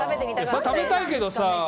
食べたいけどさ。